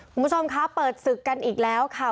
คุณผู้ชมคะเปิดศึกกันอีกแล้วค่ะ